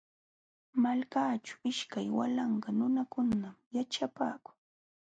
Malkaaćhu ishkay walanka nunakunam yaćhapaakun.